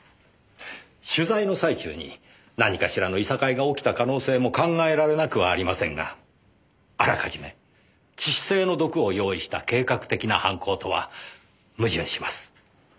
取材の最中に何かしらのいさかいが起きた可能性も考えられなくはありませんがあらかじめ致死性の毒を用意した計画的な犯行とは矛盾します。